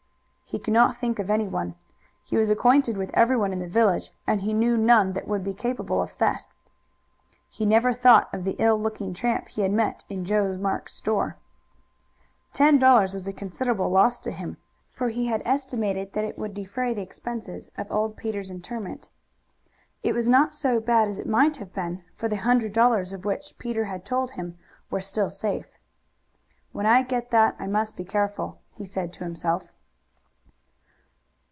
He could not think of anyone. He was acquainted with everyone in the village, and he knew none that would be capable of theft. He never thought of the ill looking tramp he had met in Joe Marks's store. Ten dollars was a considerable loss to him, for he had estimated that it would defray the expenses of old Peter's interment. It was not so bad as it might have been, for the hundred dollars of which Peter had told him were still safe. "When I get that I must be careful," he said to himself.